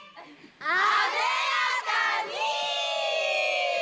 艶やかに！